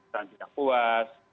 sangsi tak puas